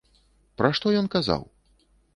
Пра што ён казаў?